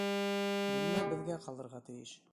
Бүлмә беҙгә ҡалырга тейеш.